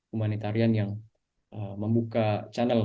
kumanitarian yang membuka channel